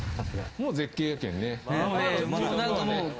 もう絶景やけんね。